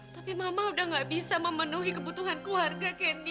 tapi mama udah nggak bisa memenuhi kebutuhan keluarga candy